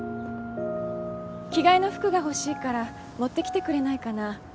着替えの服が欲しいから持ってきてくれないかな？